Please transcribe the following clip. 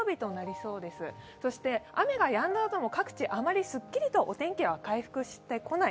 そして雨がやんだあとも各地、あまりすっきりとお天気、回復してこない。